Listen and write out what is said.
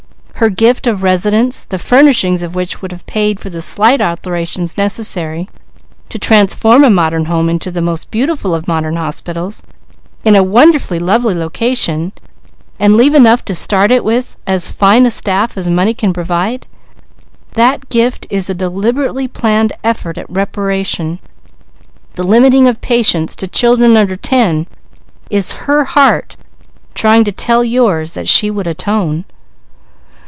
"Her gift of a residence, the furnishings of which would have paid for the slight alterations necessary to transform a modern home into the most beautiful of modern hospitals, in a wonderfully lovely location, and leave enough to start it with as fine a staff as money can provide that gift is a deliberately planned effort at reparation; the limiting of patients to children under ten is her heart trying to tell yours that she would atone."